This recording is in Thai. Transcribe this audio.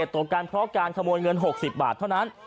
โดยส่วนเหตุตการณ์เพราะการขโมยเงิน๖๐บาทเท่านั้น